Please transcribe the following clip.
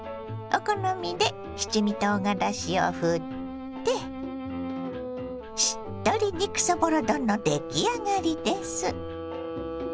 お好みで七味とうがらしをふってしっとり肉そぼろ丼の出来上がりです。